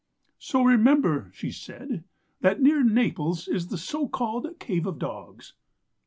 "'So, remember,' she said, 'that near Naples is the so called Cave of Dogs.